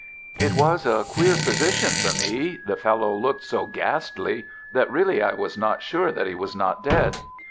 It was a queer position for me. The fellow looked so ghastly, that really I was not sure that he was not dead.